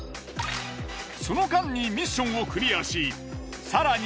その間にミッションをクリアし更に